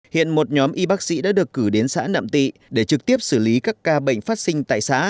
hiện một nhóm y bác sĩ đã được cử đến xã nạm tị để trực tiếp xử lý các ca bệnh phát sinh tại xã